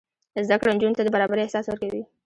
زده کړه نجونو ته د برابرۍ احساس ورکوي.